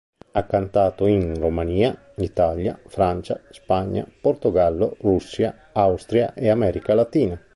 Ha cantato in Romania, Italia, Francia, Spagna, Portogallo, Russia, Austria, e America Latina.